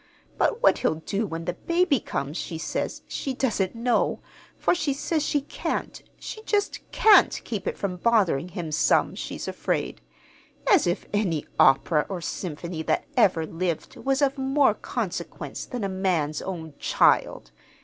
But what he'll do when the baby comes she says she doesn't know, for she says she can't she just can't keep it from bothering him some, she's afraid. As if any opera or symphony that ever lived was of more consequence than a man's own child!"